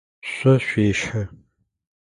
Шъо шъуещэ.